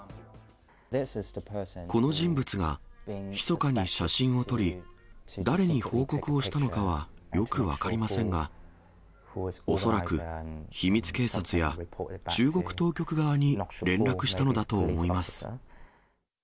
この人物が、ひそかに写真を撮り、誰に報告をしたのかはよく分かりませんが、恐らく、秘密警察や中国当局側に連絡したのだと思います。